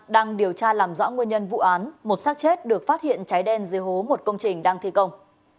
đang điều tra làm rõ nguyên nhân vụ án một sát chết được phát hiện cháy đen dưới hố một công trình đang thi công